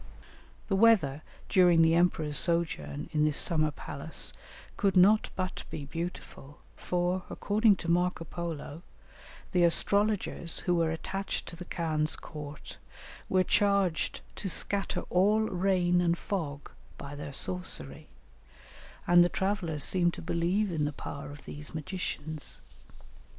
The weather during the emperor's sojourn in this summer palace could not but be beautiful, for, according to Marco Polo, the astrologers who were attached to the khan's court were charged to scatter all rain and fog by their sorcery, and the travellers seem to believe in the power of these magicians.